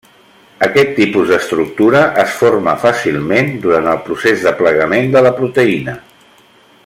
Aquest tipus d’estructura es forma fàcilment durant el procés de plegament de la proteïna.